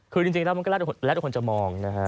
คือจริงแล้วมันก็แรกทุกคนจะมองนะคะ